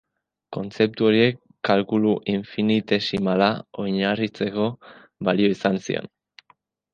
Kontzeptu horiek kalkulu infinitesimala oinarritzeko balio izan zion.